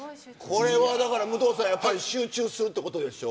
これはだから、武藤さん、やっぱり集中するってことでしょ？